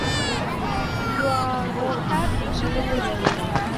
Zjüağoxer melıdıx.